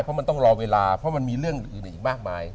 เพราะมันต้องรอเวลาเพราะมันมีเรื่องอื่นอีกมากมาย